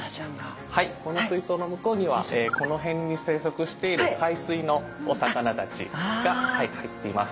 はいこの水槽の向こうにはこの辺に生息している海水のお魚たちが入っています。